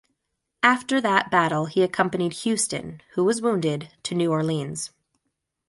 After that battle he accompanied Houston, who was wounded, to New Orleans.